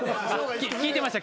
きいてました